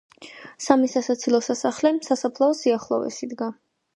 სამი სასაცილო სასახლე სასაფლაოს სიახლოვეს იდგა.